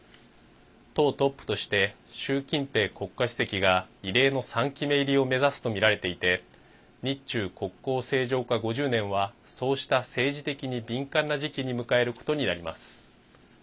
党トップとして習近平国家主席が異例の３期目入りを目指すとみられていて日中国交正常化５０年はそうした政治的に敏感な時期に迎えることになります。